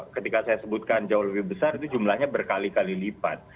ketika saya sebutkan jauh lebih besar itu jumlahnya berkali kali lipat